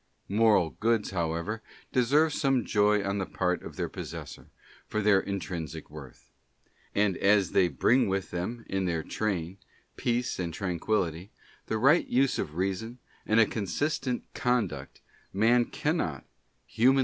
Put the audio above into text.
Moral Goods, however, deserve some Joy on the part of their possessor, for their intrinsic worth. And as they bring with them in their train peace and tranquillity, the right use of Reason, and a consistent conduct, man cannot, humanly VOL.